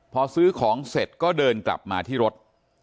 พอซื้อของเสร็จก็เดินกลับมาที่รถ